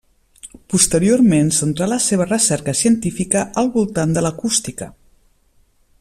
Posteriorment centrà la seva recerca científica al voltant de l'acústica.